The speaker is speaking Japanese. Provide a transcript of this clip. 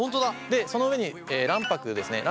でその上に卵白ですね。